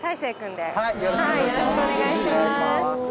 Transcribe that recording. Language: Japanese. よろしくお願いします。